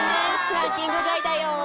ランキングがいだよ。